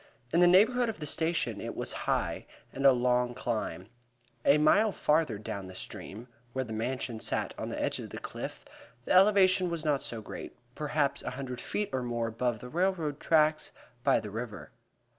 In the neighborhood of the station it was high, and a long climb. A mile farther down stream, where the Mansion sat on the edge of the cliff, the elevation was not so great perhaps a hundred feet or more above the railroad tracks by the river.